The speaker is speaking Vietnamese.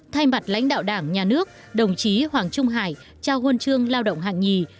thay mặt lãnh đạo đảng nhà nước đồng chí hoàng trung hải trao huân chương lao động hạng nhì